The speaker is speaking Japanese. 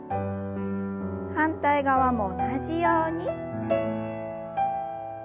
反対側も同じように。